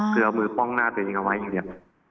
คือเอามือป้องหน้าตัวเองเอาไว้อย่างเดียว